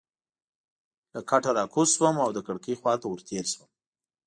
له کټه راکوز شوم او د کړکۍ خوا ته ورتېر شوم.